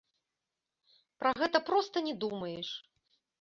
Пра гэта проста не думаеш.